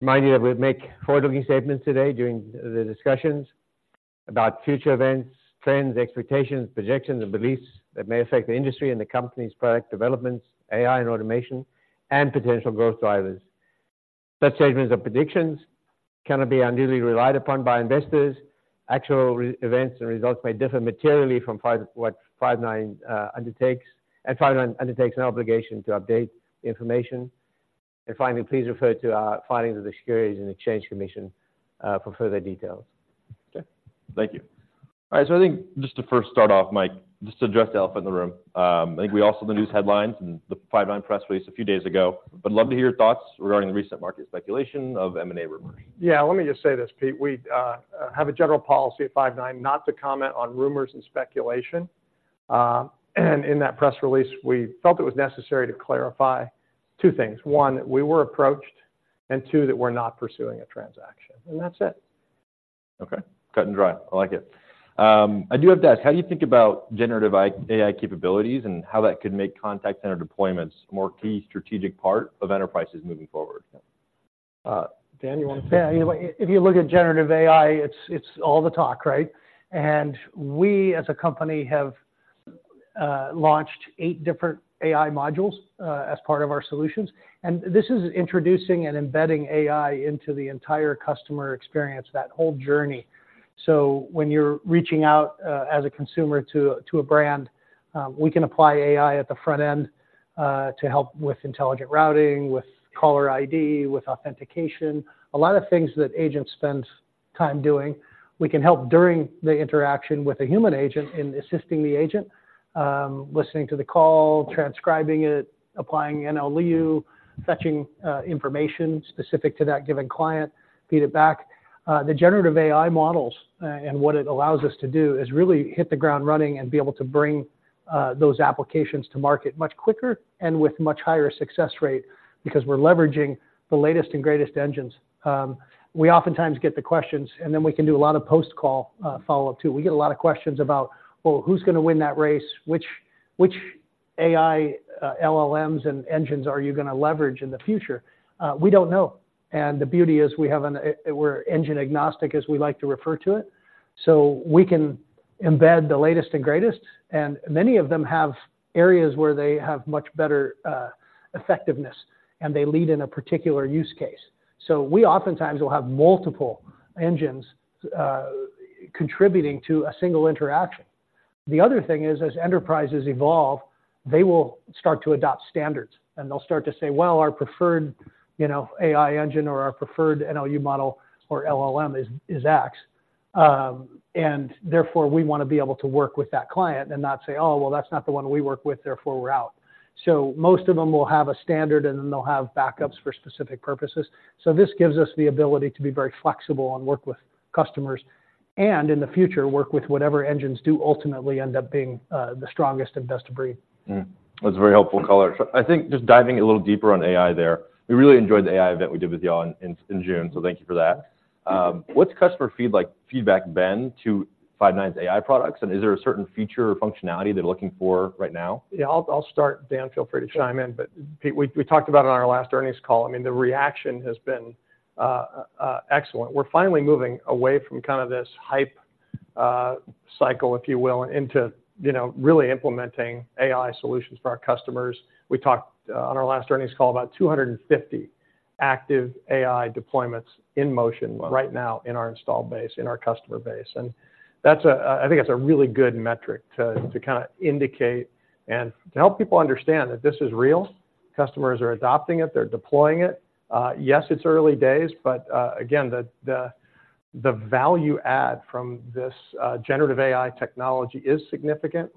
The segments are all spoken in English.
Remind you that we'll make forward-looking statements today during the discussions about future events, trends, expectations, projections, and beliefs that may affect the industry and the company's product developments, AI and automation, and potential growth drivers. Such statements or predictions cannot be unduly relied upon by investors. Actual events and results may differ materially from what Five9 undertakes, and Five9 undertakes an obligation to update the information. Finally, please refer to our filings with the Securities and Exchange Commission for further details. Okay, thank you. All right, so I think just to first start off, Mike, just to address the elephant in the room. I think we all saw the news headlines and the Five9 press release a few days ago, but love to hear your thoughts regarding the recent market speculation of M&A rumors. Yeah, let me just say this, Pete: we have a general policy at Five9 not to comment on rumors and speculation. In that press release, we felt it was necessary to clarify two things. One, that we were approached, and two, that we're not pursuing a transaction, and that's it. Okay, cut and dried. I like it. I do have to ask, how do you think about Generative AI capabilities and how that could make contact center deployments a more key strategic part of enterprises moving forward? Dan, you want to take that? Yeah, if you look at generative AI, it's, it's all the talk, right? And we, as a company, have launched eight different AI modules as part of our solutions, and this is introducing and embedding AI into the entire customer experience, that whole journey. So when you're reaching out as a consumer to a brand, we can apply AI at the front end to help with intelligent routing, with caller ID, with authentication, a lot of things that agents spend time doing. We can help during the interaction with a human agent in assisting the agent, listening to the call, transcribing it, applying NLU, fetching information specific to that given client, feed it back. The Generative AI models and what it allows us to do is really hit the ground running and be able to bring those applications to market much quicker and with much higher success rate, because we're leveraging the latest and greatest engines. We oftentimes get the questions, and then we can do a lot of post-call follow-up, too. We get a lot of questions about, "Well, who's gonna win that race? Which AI LLMs and engines are you gonna leverage in the future?" We don't know, and the beauty is, we're engine agnostic, as we like to refer to it, so we can embed the latest and greatest. And many of them have areas where they have much better effectiveness, and they lead in a particular use case. So we oftentimes will have multiple engines contributing to a single interaction. The other thing is, as enterprises evolve, they will start to adopt standards, and they'll start to say, "Well, our preferred, you know, AI engine or our preferred NLU model or LLM is X." And therefore, we want to be able to work with that client and not say, "Oh, well, that's not the one we work with, therefore, we're out." So most of them will have a standard, and then they'll have backups for specific purposes. So this gives us the ability to be very flexible and work with customers, and in the future, work with whatever engines do ultimately end up being the strongest and best of breed. That's a very helpful color. So I think just diving a little deeper on AI there, we really enjoyed the AI event we did with y'all in June, so thank you for that. What's customer feedback been to Five9's AI products, and is there a certain feature or functionality they're looking for right now? Yeah, I'll start. Dan, feel free to chime in. But Pete, we talked about it on our last earnings call. I mean, the reaction has been excellent. We're finally moving away from kind of this hype cycle, if you will, into, you know, really implementing AI solutions for our customers. We talked on our last earnings call about 250 active AI deployments in motion right now in our install base, in our customer base, and that's, I think that's a really good metric to kinda indicate and to help people understand that this is real. Customers are adopting it; they're deploying it. Yes, it's early days, but again, the value add from this generative AI technology is significant.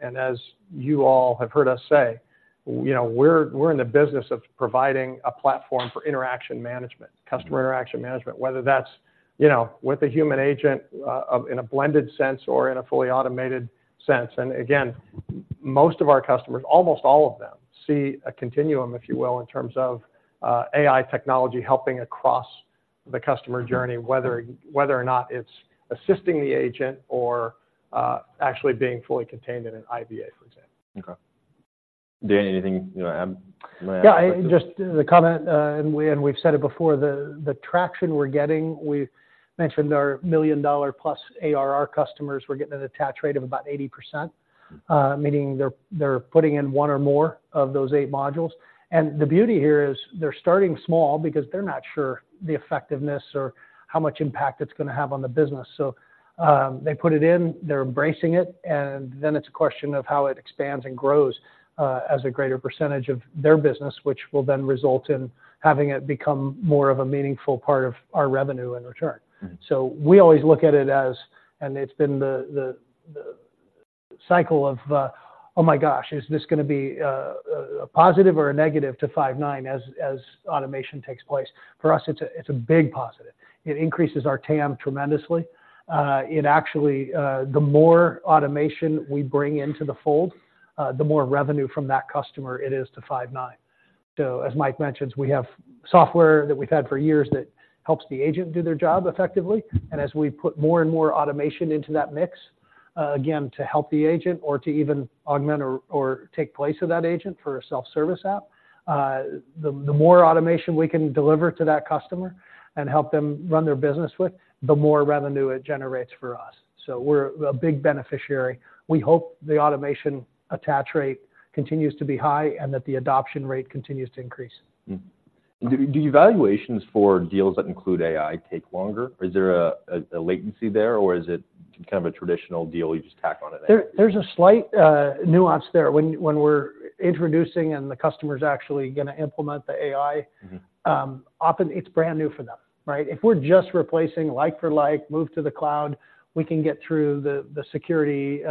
And as you all have heard us say, you know, we're, we're in the business of providing a platform for interaction management, customer interaction management, whether that's, you know, with a human agent, in a blended sense or in a fully automated sense. And again, most of our customers, almost all of them, see a continuum, if you will, in terms of, AI technology helping across the customer journey, whether, whether or not it's assisting the agent or, actually being fully contained in an IVA, for example. Okay. Dan, anything you want to add? Yeah, just the comment, and we've said it before, the traction we're getting. We mentioned our $1 million-plus ARR customers were getting an attach rate of about 80%. Meaning they're putting in one or more of those eight modules. And the beauty here is they're starting small because they're not sure the effectiveness or how much impact it's gonna have on the business. So, they put it in, they're embracing it, and then it's a question of how it expands and grows as a greater percentage of their business, which will then result in having it become more of a meaningful part of our revenue in return. So we always look at it as, and it's been the cycle of, "Oh my gosh, is this gonna be a positive or a negative to Five9 as automation takes place?" For us, it's a big positive. It increases our TAM tremendously. It actually, the more automation we bring into the fold, the more revenue from that customer it is to Five9. So as Mike mentions, we have software that we've had for years that helps the agent do their job effectively. And as we put more and more automation into that mix, again, to help the agent or to even augment or take place of that agent for a self-service app, the more automation we can deliver to that customer and help them run their business with, the more revenue it generates for us. We're a big beneficiary. We hope the automation attach rate continues to be high and that the adoption rate continues to increase. Do evaluations for deals that include AI take longer? Is there a latency there, or is it kind of a traditional deal you just tack on it? There, there's a slight nuance there. When we're introducing and the customer's actually gonna implement the AI, often it's brand new for them, right? If we're just replacing like for like, move to the cloud, we can get through the security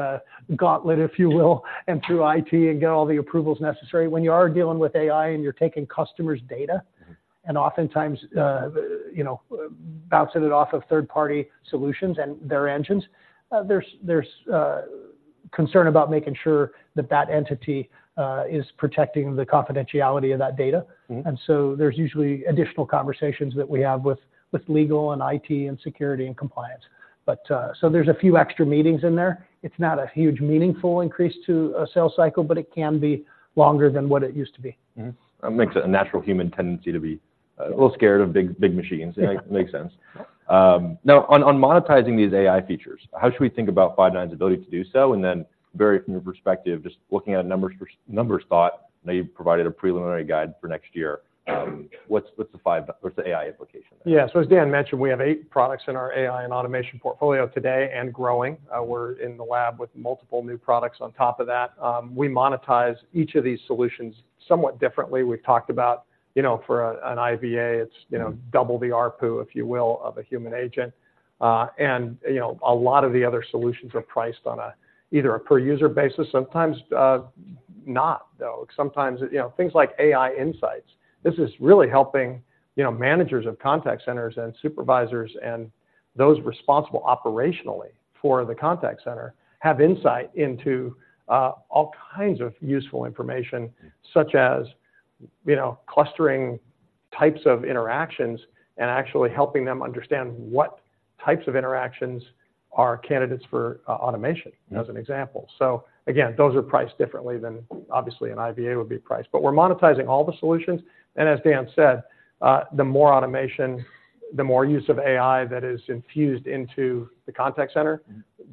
gauntlet, if you will, and through IT and get all the approvals necessary. When you are dealing with AI, and you're taking customers' data. And oftentimes, you know, bouncing it off of third-party solutions and their engines, there's concern about making sure that that entity is protecting the confidentiality of that data. So there's usually additional conversations that we have with legal and IT and security and compliance. But, so there's a few extra meetings in there. It's not a huge, meaningful increase to a sales cycle, but it can be longer than what it used to be. That makes it a natural human tendency to be a little scared of big, big machines. Yeah, makes sense. Now, on monetizing these AI features, how should we think about Five9's ability to do so? And then, Barry, from your perspective, just looking at a numbers thought, now you've provided a preliminary guide for next year, what's the AI implication there? Yeah. As Dan mentioned, we have eight products in our AI and automation portfolio today and growing. We're in the lab with multiple new products on top of that. We monetize each of these solutions somewhat differently. We've talked about, you know, for a, an IVA, it's, you know, it's double the ARPU, if you will, of a human agent. And, you know, a lot of the other solutions are priced on a either a per-user basis, sometimes, not though. Sometimes, you know, things like AI Insights. This is really helping, you know, managers of contact centers and supervisors and those responsible operationally for the contact center, have insight into all kinds of useful information, such as, you know, clustering types of interactions and actually helping them understand what types of interactions are candidates for automation as an example. So again, those are priced differently than obviously an IVA would be priced, but we're monetizing all the solutions, and as Dan said, the more automation, the more use of AI that is infused into the contact center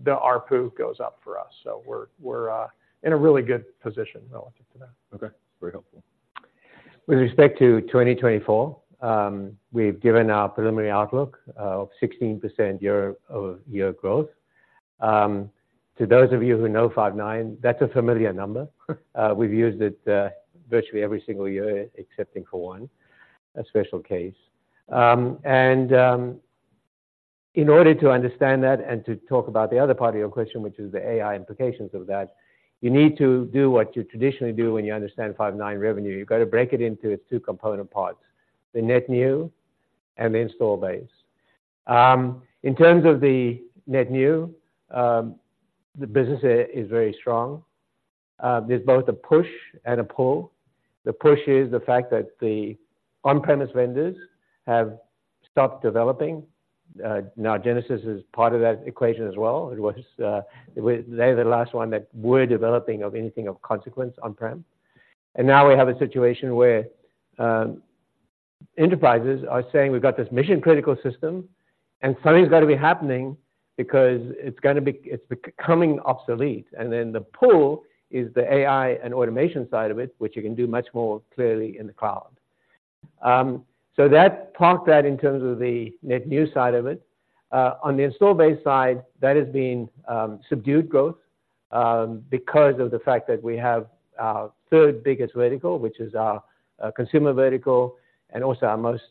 the ARPU goes up for us. So we're in a really good position relative to that. Okay. Very helpful. With respect to 2024, we've given our preliminary outlook of 16% year-over-year growth. To those of you who know Five9, that's a familiar number. We've used it virtually every single year, excepting for one, a special case. And in order to understand that and to talk about the other part of your question, which is the AI implications of that, you need to do what you traditionally do when you understand Five9 revenue. You've got to break it into its two component parts, the net new and the install base. In terms of the net new, the business is very strong. There's both a push and a pull. The push is the fact that the on-premise vendors have stopped developing. Now, Genesys is part of that equation as well. It was, they're the last one that we're developing of anything of consequence on-prem. And now we have a situation where, enterprises are saying: We've got this mission-critical system, and something's got to be happening because it's gonna be, it's becoming obsolete. And then the pull is the AI and automation side of it, which you can do much more clearly in the cloud. So that park that in terms of the net new side of it. On the install base side, that has been, subdued growth, because of the fact that we have our third biggest vertical, which is our, consumer vertical, and also our most,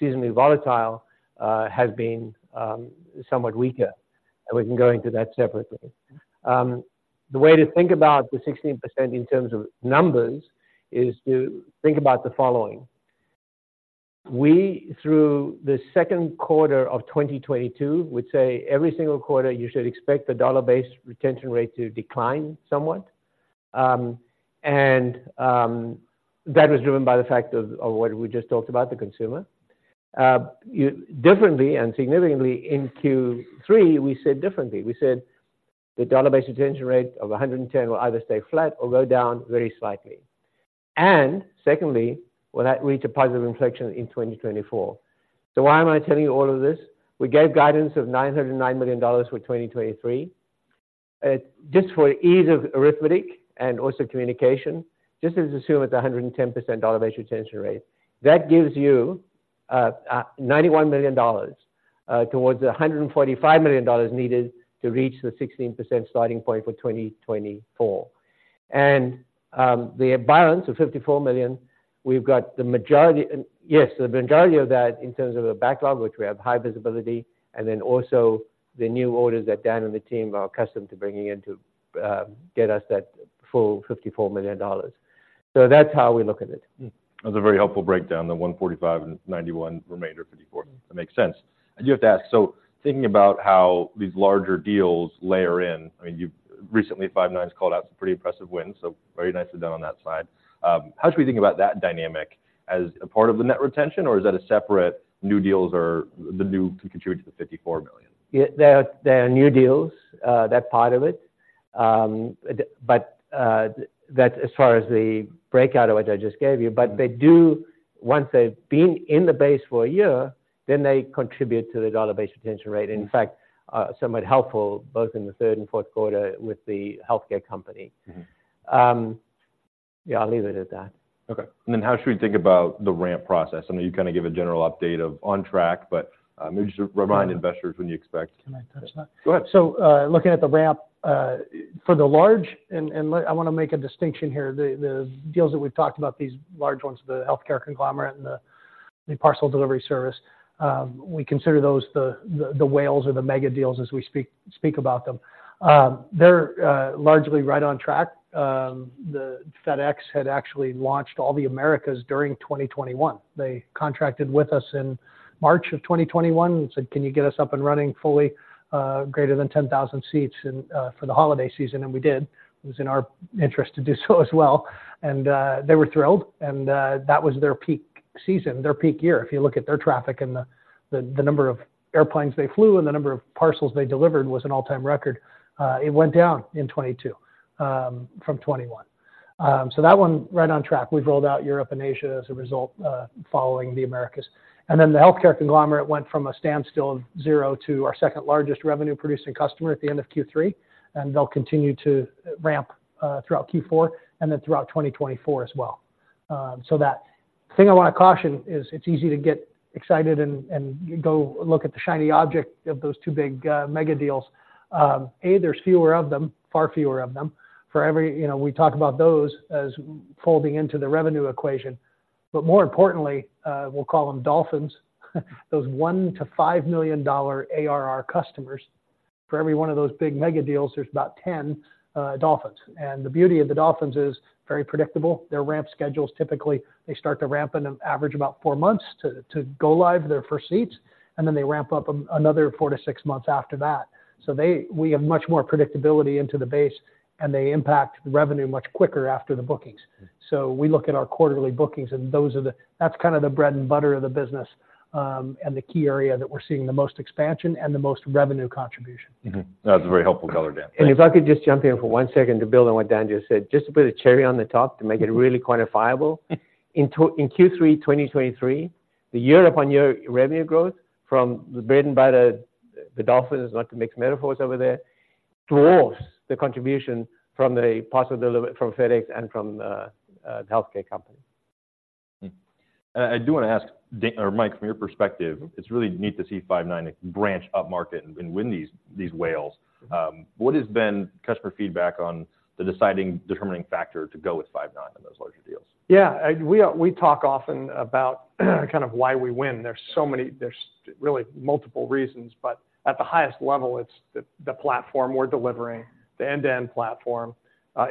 seasonally volatile, has been, somewhat weaker, and we can go into that separately. The way to think about the 16% in terms of numbers is to think about the following. We, through the Q2 of 2022, would say every single quarter, you should expect the Dollar-Based Retention Rate to decline somewhat. And, that was driven by the fact of what we just talked about, the consumer. Differently and significantly in Q3, we said differently. We said the Dollar-Based Retention Rate of 110 will either stay flat or go down very slightly. And secondly, will that reach a positive inflection in 2024? So why am I telling you all of this? We gave guidance of $909 million for 2023. Just for ease of arithmetic and also communication, just as assume it's 110% dollar-based retention rate, that gives you, $91 million, towards the $145 million needed to reach the 16% starting point for 2024. And, the balance of $54 million, we've got the majority. Yes, the majority of that in terms of a backlog, which we have high visibility, and then also the new orders that Dan and the team are accustomed to bringing in to, get us that full fifty-four million dollars. So that's how we look at it. That's a very helpful breakdown, the 145 and 91 remainder 54. That makes sense. I do have to ask, so thinking about how these larger deals layer in, I mean, you've recently, Five9's called out some pretty impressive wins, so very nicely done on that side. How should we think about that dynamic? As a part of the net retention, or is that a separate new deals or the new can contribute to the $54 million? Yeah, there are new deals, that part of it. But that's as far as the breakout of what I just gave you, once they've been in the base for a year, then they contribute to the Dollar-Based Retention Rate. In fact, somewhat helpful both in the third and Q4 with the healthcare company. Yeah, I'll leave it at that. Okay. And then how should we think about the ramp process? I know you kind of give a general update of on track, but, maybe just to remind investors when you expect. Can I touch that? Go ahead. So, looking at the ramp for the large, and I wanna make a distinction here. The deals that we've talked about, these large ones, the healthcare conglomerate and the parcel delivery service, we consider those the whales or the mega deals as we speak about them. They're largely right on track. The FedEx had actually launched all the Americas during 2021. They contracted with us in March of 2021 and said: "Can you get us up and running fully, greater than 10,000 seats and for the holiday season?" And we did. It was in our interest to do so as well, and they were thrilled, and that was their peak season, their peak year. If you look at their traffic and the number of airplanes they flew, and the number of parcels they delivered was an all-time record. It went down in 2022 from 2021. So that one, right on track. We've rolled out Europe and Asia as a result, following the Americas. And then the healthcare conglomerate went from a standstill of zero to our second-largest revenue-producing customer at the end of Q3, and they'll continue to ramp throughout Q4 and then throughout 2024 as well. So that, the thing I wanna caution is it's easy to get excited and go look at the shiny object of those two big mega deals. A, there's fewer of them, far fewer of them. For every, you know, we talk about those as folding into the revenue equation, but more importantly, we'll call them dolphins, those $1 million-$5 million ARR customers. For every one of those big mega deals, there's about 10 dolphins. And the beauty of the dolphins is very predictable. Their ramp schedules, typically, they start to ramp in an average about 4 months to go live their first seats, and then they ramp up another four to six months after that. So we have much more predictability into the base, and they impact revenue much quicker after the bookings. So we look at our quarterly bookings, and those are the—that's kind of the bread and butter of the business, and the key area that we're seeing the most expansion and the most revenue contribution. Mm-hmm. That's a very helpful color, Dan. Thank you. And if I could just jump in for one second to build on what Dan just said, just to put a cherry on the top to make it really quantifiable. In Q3 2023, the year-over-year revenue growth from the bread and butter, the dolphins, not to mix metaphors over there, [dwarfs] the contribution from the parcel delivery from FedEx and from the, the healthcare company. I do wanna ask Dan or Mike, from your perspective, it's really neat to see Five9 branch upmarket and win these, these whales. What has been customer feedback on the deciding-determining factor to go with Five9 on those larger deals? Yeah, we talk often about kind of why we win. There's so many, there's really multiple reasons, but at the highest level, it's the platform we're delivering, the end-to-end platform,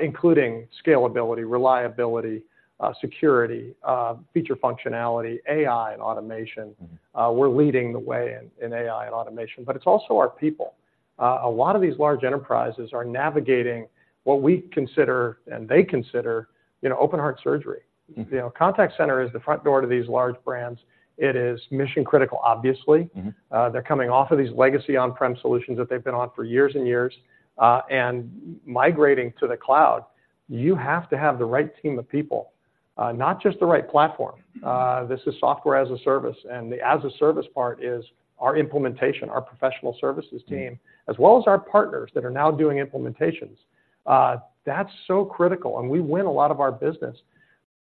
including scalability, reliability, security, feature functionality, AI, and automation. We're leading the way in AI and automation, but it's also our people. A lot of these large enterprises are navigating what we consider, and they consider, you know, open heart surgery. You know, contact center is the front door to these large brands. It is mission-critical, obviously. They're coming off of these legacy on-prem solutions that they've been on for years and years, and migrating to the cloud. You have to have the right team of people, not just the right platform. This is software as a service, and the as a service part is our implementation, our professional services team as well as our partners that are now doing implementations. That's so critical, and we win a lot of our business,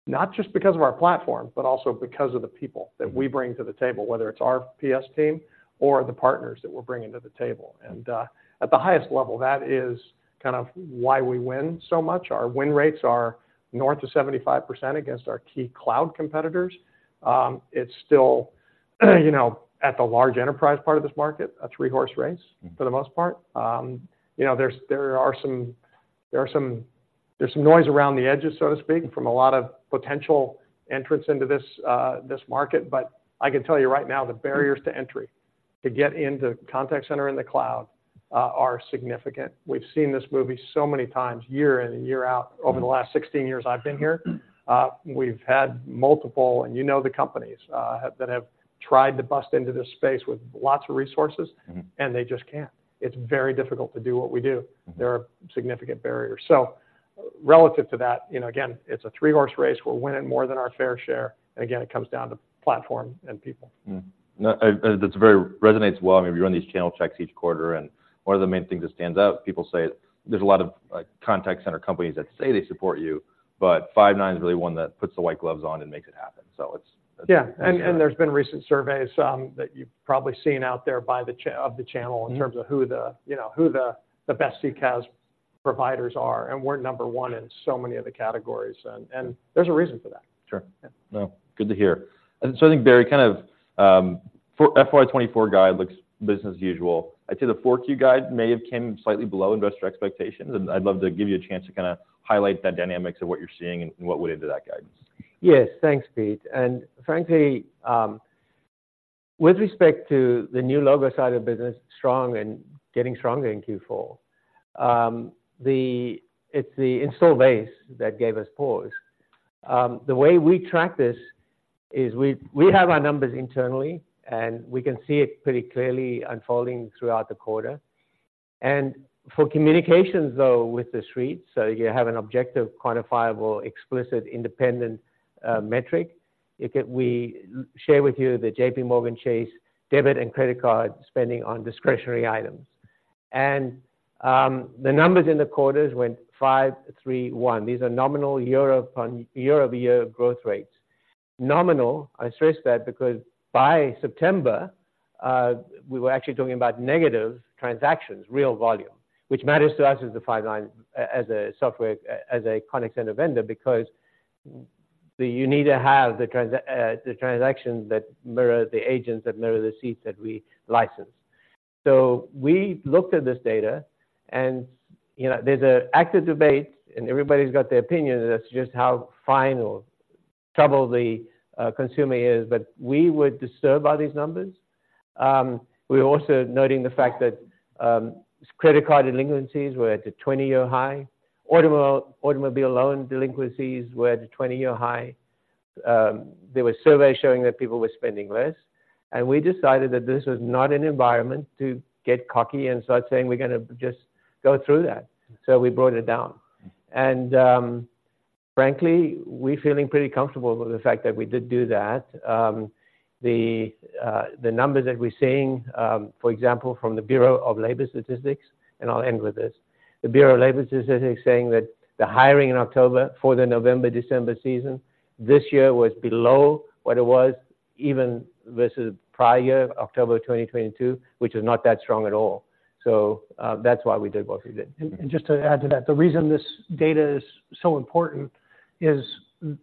not just because of our platform, but also because of the people that we bring to the table, whether it's our PS team or the partners that we're bringing to the table. And at the highest level, that is kind of why we win so much. Our win rates are north of 75% against our key cloud competitors. It's still, you know, at the large enterprise part of this market, a three-horse race for the most part. You know, there's some noise around the edges, so to speak from a lot of potential entrants into this, this market. But I can tell you right now, the barriers to entry, to get into contact center in the cloud, are significant. We've seen this movie so many times, year in and year out over the last 16 years I've been here. We've had multiple, and you know the companies that have tried to bust into this space with lots of resources and they just can't. It's very difficult to do what we do. There are significant barriers. So relative to that, you know, again, it's a three-horse race. We're winning more than our fair share, and again, it comes down to platform and people. That's very resonates well. I mean, we run these channel checks each quarter, and one of the main things that stands out, people say there's a lot of, like, contact center companies that say they support you, but Five9 is really one that puts the white gloves on and makes it happen. So it's- Yeah, and there's been recent surveys that you've probably seen out there by the chair of the channel in terms of who the, you know, the best CCaaS providers are, and we're number one in so many of the categories, and there's a reason for that. Sure. Yeah. Well, good to hear. I think, Barry, kind of, for FY 2024 guide looks business as usual. I'd say the Q4 guide may have came slightly below investor expectations, and I'd love to give you a chance to kind of highlight the dynamics of what you're seeing and what went into that guidance. Yes. Thanks, Pete. And frankly, with respect to the new logo side of business, strong and getting stronger in Q4. It's the installed base that gave us pause. The way we track this is we, we have our numbers internally, and we can see it pretty clearly unfolding throughout the quarter. And for communications, though, with the street, so you have an objective, quantifiable, explicit, independent metric, we share with you the JPMorgan Chase debit and credit card spending on discretionary items. And the numbers in the quarters went five, three, one. These are nominal year-over-year growth rates. Nominal, I stress that because by September, we were actually talking about negative transactions, real volume, which matters to us as the fine line, as a software, as a contact center vendor, because you need to have the transactions that mirror the agents, that mirror the seats that we license. So we looked at this data and, you know, there's an active debate, and everybody's got their opinion as to just how fine or troubled the consumer is, but we were disturbed by these numbers. We were also noting the fact that credit card delinquencies were at a 20-year high. Automobile loan delinquencies were at a 20-year high. There were surveys showing that people were spending less, and we decided that this was not an environment to get cocky and start saying, we're gonna just go through that. We brought it down. Frankly, we're feeling pretty comfortable with the fact that we did do that. The numbers that we're seeing, for example, from the Bureau of Labor Statistics, and I'll end with this. The Bureau of Labor Statistics saying that the hiring in October for the November, December season, this year was below what it was even versus the prior year, October 2022, which is not that strong at all. That's why we did what we did. Just to add to that, the reason this data is so important is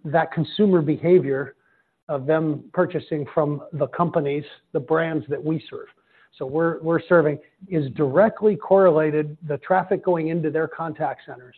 that consumer behavior of them purchasing from the companies, the brands that we serve. So we're serving is directly correlated. The traffic going into their contact centers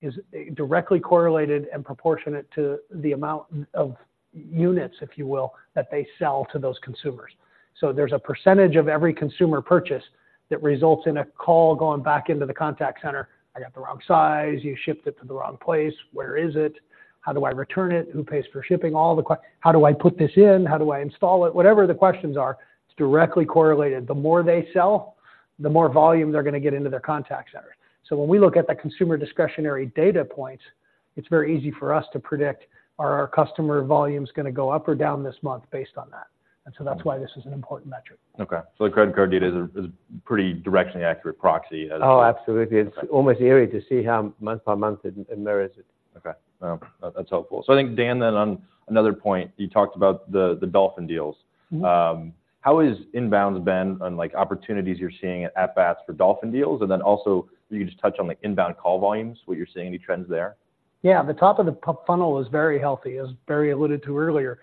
is directly correlated and proportionate to the amount of units, if you will, that they sell to those consumers. So there's a percentage of every consumer purchase that results in a call going back into the contact center. "I got the wrong size. You shipped it to the wrong place. Where is it? How do I return it? Who pays for shipping?" "How do I put this in? How do I install it?" Whatever the questions are, it's directly correlated. The more they sell, the more volume they're going to get into their contact center. When we look at the consumer discretionary data points, it's very easy for us to predict, are our customer volumes gonna go up or down this month based on that? That's why this is an important metric. Okay. So the credit card data is a pretty directionally accurate proxy as- Oh, absolutely. Okay. It's almost eerie to see how month by month it mirrors it. Okay. That's helpful. So I think, Dan, then on another point, you talked about the Dolphin deals. How has inbounds been on, like, opportunities you're seeing at bats for Dolphin deals? And then also, you can just touch on the inbound call volumes, what you're seeing, any trends there? Yeah, the top of the funnel is very healthy, as Barry alluded to earlier.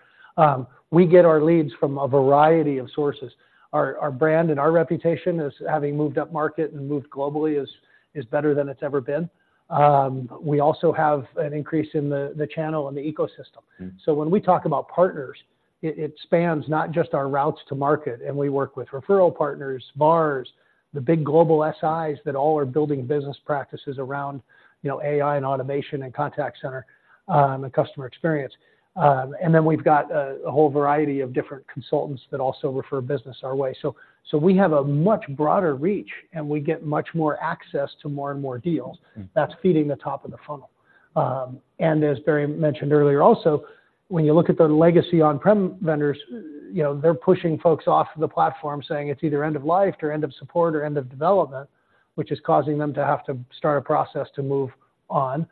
We get our leads from a variety of sources. Our brand and our reputation as having moved up market and moved globally is better than it's ever been. We also have an increase in the channel and the ecosystem. So when we talk about partners, it spans not just our routes to market, and we work with referral partners, VARs, the big global SIs that all are building business practices around, you know, AI and automation and contact center, and customer experience. And then we've got a whole variety of different consultants that also refer business our way. So we have a much broader reach, and we get much more access to more and more deals. That's feeding the top of the funnel. And as Barry mentioned earlier, also, when you look at the legacy on-prem vendors, you know, they're pushing folks off the platform, saying it's either end of life or end of support or end of development, which is causing them to have to start a process to move on.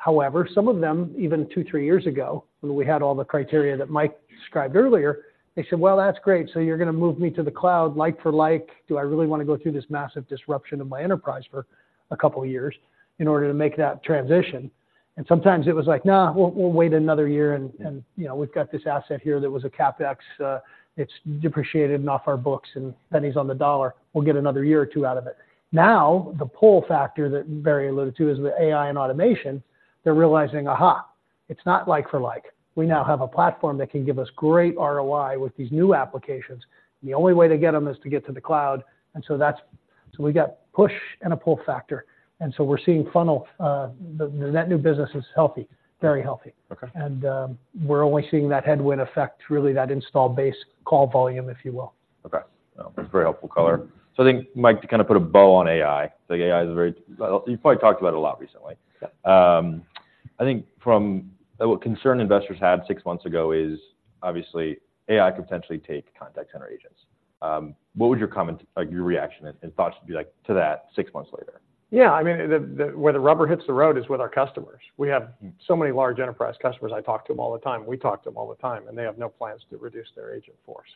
However, some of them, even two, three years ago, when we had all the criteria that Mike described earlier, they said, "Well, that's great. So you're going to move me to the cloud, like for like, do I really want to go through this massive disruption of my enterprise for a couple of years in order to make that transition?" And sometimes it was like, "Nah, we'll wait another year, and you know, we've got this asset here that was a CapEx, it's depreciated and off our books and pennies on the dollar. We'll get another year or two out of it." Now, the pull factor that Barry alluded to is the AI and automation. They're realizing, aha, it's not like for like. We now have a platform that can give us great ROI with these new applications. The only way to get them is to get to the cloud, and so that's so we got push and a pull factor, and so we're seeing funnel, that new business is healthy, very healthy. Okay. We're only seeing that headwind effect, really, that installed base call volume, if you will. Okay. That's a very helpful color. So I think, Mike, to kind of put a bow on AI, so AI is very. You've probably talked about it a lot recently. Yeah. I think from what concerned investors had six months ago is obviously AI could potentially take contact center agents. What would your comment, like, your reaction and thoughts be like to that six months later? Yeah, I mean, the where the rubber hits the road is with our customers. We have so many large enterprise customers. I talk to them all the time. We talk to them all the time, and they have no plans to reduce their agent force.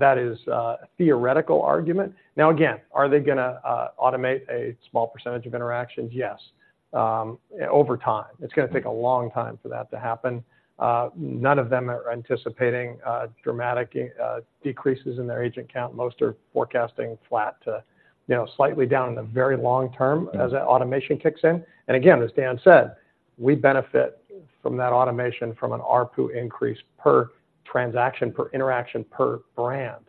That is a theoretical argument. Now, again, are they gonna automate a small percentage of interactions? Yes, over time. It's gonna take a long time for that to happen. None of them are anticipating dramatic decreases in their agent count. Most are forecasting flat to, you know, slightly down in the very long term as that automation kicks in. And again, as Dan said we benefit from that automation from an ARPU increase per transaction, per interaction, per brand.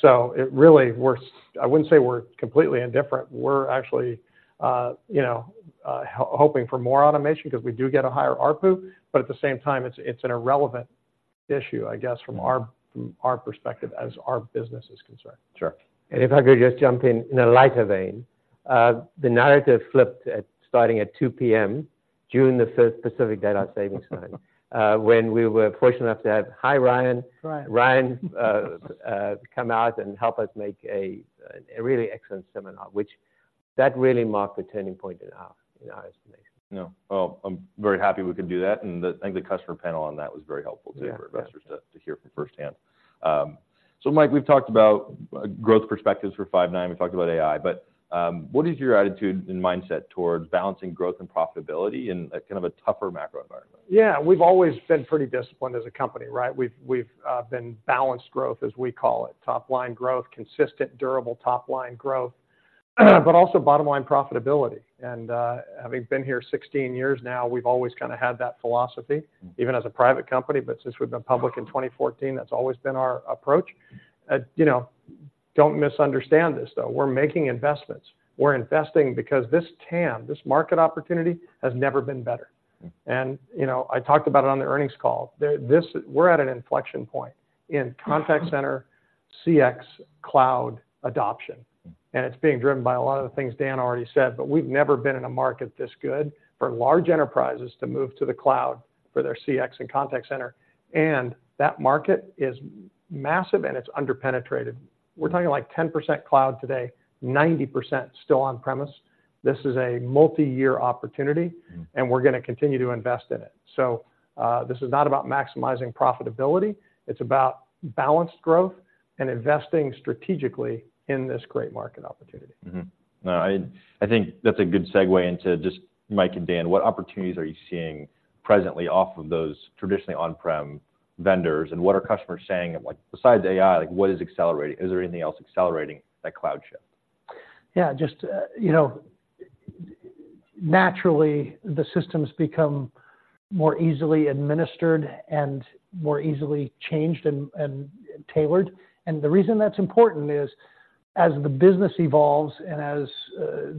So, really, we're. I wouldn't say we're completely indifferent. We're actually, you know, hoping for more automation because we do get a higher ARPU, but at the same time, it's an irrelevant issue, I guess, from our perspective as our business is concerned. Sure. If I could just jump in, in a lighter vein, the narrative flipped at 2:00 P.M., starting at June the fifth, Pacific Daylight Saving Time, when we were fortunate enough to have. Hi, Ryan. Ryan. Ryan, come out and help us make a really excellent seminar, which that really marked the turning point in our estimation. Yeah. Well, I'm very happy we could do that, and I think the customer panel on that was very helpful too. Yeah. For investors to hear from firsthand. So Mike, we've talked about growth perspectives for Five9, we've talked about AI, but what is your attitude and mindset towards balancing growth and profitability in a kind of a tougher macro environment? Yeah, we've always been pretty disciplined as a company, right? We've been balanced growth, as we call it. Top-line growth, consistent, durable top-line growth, but also bottom-line profitability. And, having been here 16 years now, we've always kind of had that philosophy even as a private company, but since we've been public in 2014, that's always been our approach. You know, don't misunderstand this, though. We're making investments. We're investing because this TAM, this market opportunity, has never been better. You know, I talked about it on the earnings call. We're at an inflection point in contact center CX, cloud adoption. It's being driven by a lot of the things Dan already said, but we've never been in a market this good for large enterprises to move to the cloud for their CX and contact center. That market is massive, and it's under-penetrated. We're talking, like, 10% cloud today, 90% still on-premise. This is a multi-year opportunity. And we're gonna continue to invest in it. So, this is not about maximizing profitability, it's about balanced growth and investing strategically in this great market opportunity. No, I think that's a good segue into just Mike and Dan, what opportunities are you seeing presently off of those traditionally on-prem vendors, and what are customers saying? And, like, besides AI, like, what is accelerating? Is there anything else accelerating that cloud shift? Yeah, just, you know, naturally, the systems become more easily administered and more easily changed and, and tailored. And the reason that's important is, as the business evolves and as,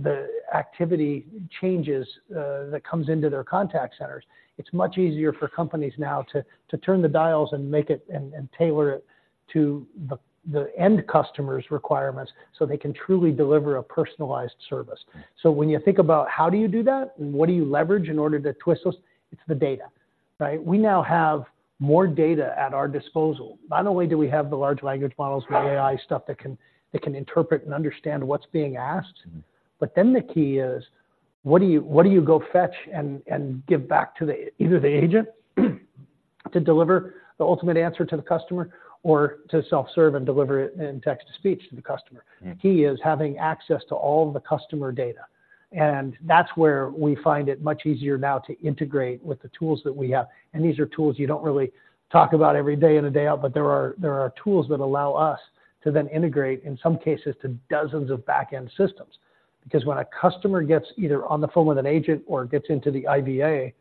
the activity changes, that comes into their contact centers, it's much easier for companies now to, to turn the dials and make it- and, and tailor it to the, the end customer's requirements, so they can truly deliver a personalized service. So when you think about how do you do that and what do you leverage in order to twist those, it's the data, right? We now have more data at our disposal. Not only do we have the large language models with AI stuff that can, that can interpret and understand what's being asked. But then the key is, what do you go fetch and give back to either the agent, to deliver the ultimate answer to the customer, or to self-serve and deliver it in text to speech to the customer. The key is having access to all of the customer data, and that's where we find it much easier now to integrate with the tools that we have. And these are tools you don't really talk about every day in and day out, but there are tools that allow us to then integrate, in some cases, to dozens of back-end systems. Because when a customer gets either on the phone with an agent or gets into the IVA,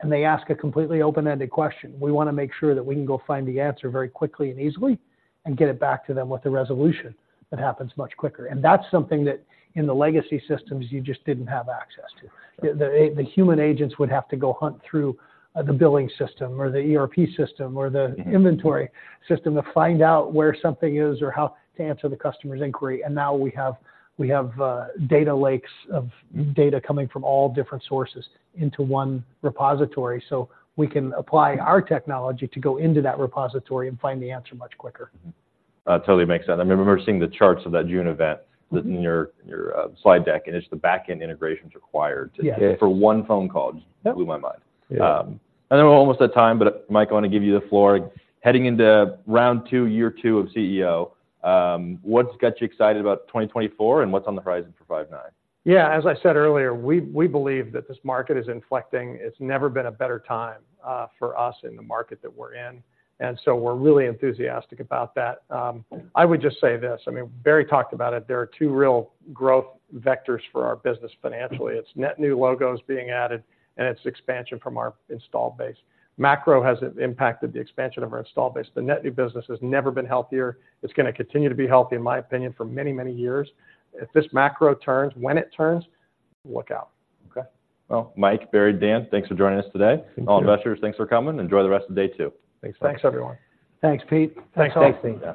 and they ask a completely open-ended question, we want to make sure that we can go find the answer very quickly and easily, and get it back to them with a resolution that happens much quicker. And that's something that, in the legacy systems, you just didn't have access to. Sure. The human agents would have to go hunt through the billing system or the ERP system or the inventory system to find out where something is or how to answer the customer's inquiry. And now we have data lakes of data coming from all different sources into one repository, so we can apply our technology to go into that repository and find the answer much quicker. Totally makes sense. I remember seeing the charts of that June event in your slide deck, and it's the back-end integrations required to- Yes. Yes for one phone call, just- Yep Blew my mind. Yeah. I know we're almost at time, but Mike, I want to give you the floor. Heading into round two, year two of CEO, what's got you excited about 2024, and what's on the horizon for Five9? Yeah, as I said earlier, we believe that this market is inflecting. It's never been a better time for us in the market that we're in, and so we're really enthusiastic about that. I would just say this, I mean, Barry talked about it: There are two real growth vectors for our business financially. It's net new logos being added, and it's expansion from our installed base. Macro has impacted the expansion of our installed base. The net new business has never been healthier. It's gonna continue to be healthy, in my opinion, for many, many years. If this macro turns, when it turns, look out. Okay. Well, Mike, Barry, Dan, thanks for joining us today. Thank you. All investors, thanks for coming, and enjoy the rest of day two. Thanks, Mike. Thanks, everyone. Thanks, Pete. Thanks, Pete. Thanks. Yeah.